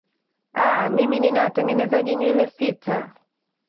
aah mimi nina watengenezaji nywele sita